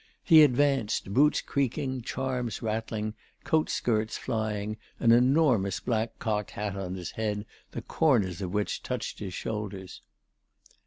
He advanced, boots creaking, charms rattling, coat skirts flying, an enormous black cocked hat on his head, the corners of which touched his shoulders.